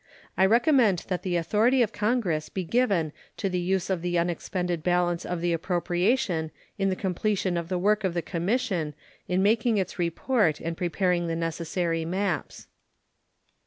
I recommend that the authority of Congress be given to the use of the unexpended balance of the appropriation in the completion of the work of the commission in making its report and preparing the necessary maps.